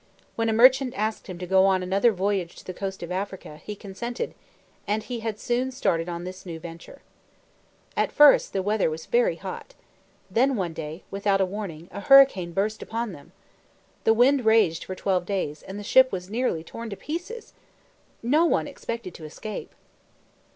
When a merchant asked him to go on another voyage to the coast of Africa, he consented, and he had soon started on this new venture. At first the weather was very hot. Then one day, without warning, a hurricane burst upon them. The wind raged for twelve days, and the ship was nearly torn to pieces. No one expected to escape.